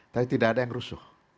tapi tidak ada yang rusuh